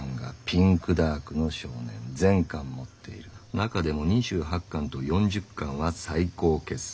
中でも２８巻と４０巻は最高傑作。